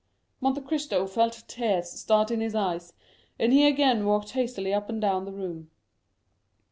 Monte Cristo felt tears start into his eyes, and he again walked hastily up and down the room.